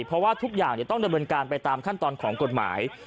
เพราะว่าทุกอย่างต้องดำเนินการไปตามขั้นตอนของกฎหมาย